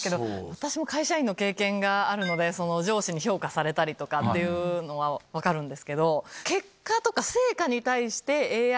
私も会社員の経験があるので上司に評価されたりとかっていうのは分かるんですけど。